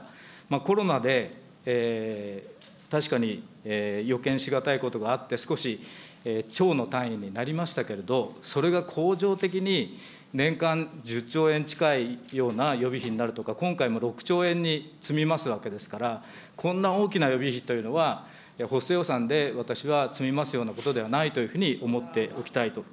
コロナで確かに、予見し難いことがあって、少しちょうの単位になりましたけれども、それが恒常的に年間１０兆円近いような予備費になるような今回も６兆円に積み増すわけですから、こんな大きな予備費というのは、補正予算で私は積み増すようなことではないというふうに思っておきたいと。